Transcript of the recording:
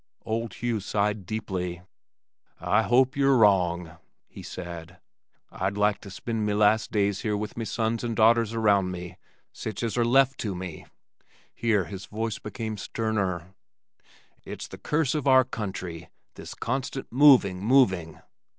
Old Hugh sighed deeply. "I hope ye're wrong," he said. "I'd like to spend me last days here with me sons and daughters around me, sich as are left to me," here his voice became sterner. "It's the curse of our country, this constant moving, moving.